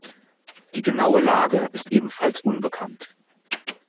Die genaue Lage ist ebenfalls unbekannt.